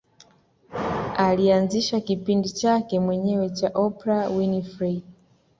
Alianzisha kipindi chake mwenyewe cha Oprah Winfrey